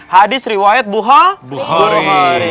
hadis riwayat buha buhari